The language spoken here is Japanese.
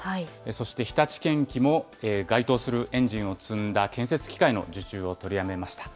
そして日立建機も該当するエンジンを積んだ建設機械の受注を取りやめました。